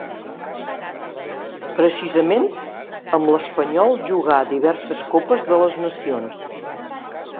Precisament, amb l'Espanyol jugà diverses Copes de les Nacions.